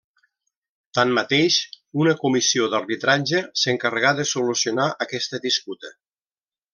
Tanmateix, una comissió d'arbitratge s'encarregà de solucionar aquesta disputa.